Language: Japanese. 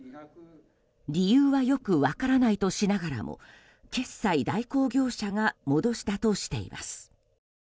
理由はよく分からないとしながらも決済代行業者が戻したとしています。